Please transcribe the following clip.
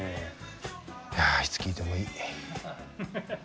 いやいつ聴いてもいい。